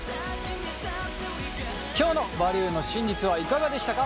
今日の「バリューの真実」はいかがでしたか？